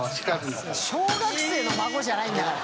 小学生の孫じゃないんだから。